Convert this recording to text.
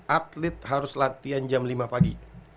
atlet harus latihan jam lima pagi